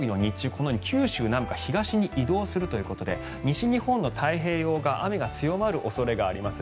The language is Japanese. このように九州南部から東に移動するということで西日本の太平洋側は雨が強まる恐れがあります。